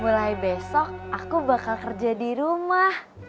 mulai besok aku bakal kerja di rumah